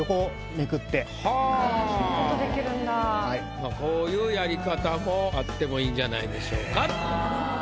まあこういうやり方もあっても良いんじゃないでしょうか。